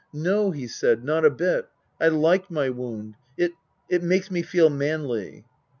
" No," he said. " Not a bit. I like my wound. It it makes me feel manly."